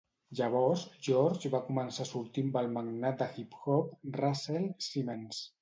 Llavors, George va començar a sortir amb el magnat del hip hop Russell Simmons.